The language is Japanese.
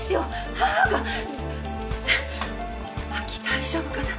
大丈夫かな？